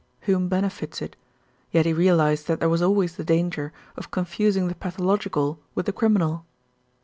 (whom benefits it?); yet he realised that there was always the danger of confusing the pathological with the criminal.